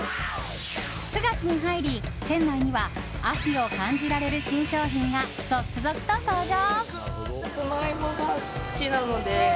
９月に入り、店内には秋を感じられる新商品が続々と登場。